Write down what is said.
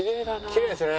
きれいですね。